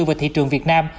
về thị trường việt nam